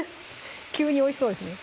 急においしそうですね